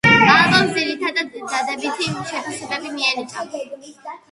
ალბომს ძირითადად დადებითი შეფასებები მიენიჭა.